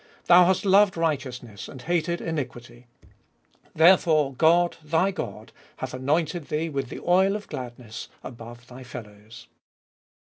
9. Thou hast loved righteousness, and hated iniquity ; Therefore God, thy God, hath anointed thee With the oil of gladness above thy fellows (Ps.